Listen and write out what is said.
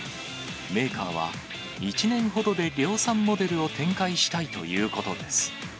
メーカーは、１年ほどで量産モデルを展開したいということです。